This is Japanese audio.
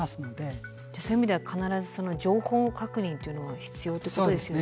そういう意味では必ずその情報確認というのは必要ってことですね。